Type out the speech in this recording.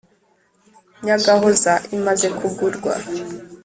nyagahoza imaze kugurwa